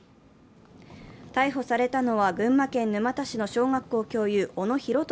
逮捕されたのは群馬県沼田市の小学校教諭、小野浩稔